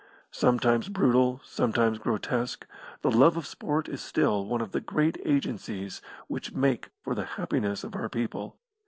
Sometimes brutal, sometimes grotesque, the love of sport is still one of the great agencies which make for the happiness of our people.